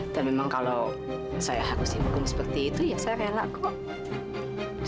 dan memang kalau saya harus dihukum seperti itu ya saya rela kok